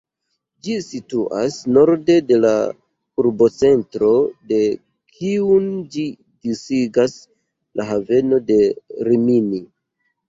Ĝi situas norde de la urbocentro, de kiu ĝin disigas la haveno de Rimini.